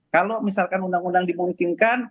kalau misalkan undang undang dimungkinkan